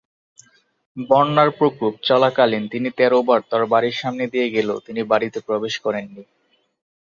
বন্যার প্রকোপ চলাকালীন তিনি তেরো বার তার বাড়ির সামনে দিয়ে গেলেও তিনি বাড়িতে প্রবেশ করেননি।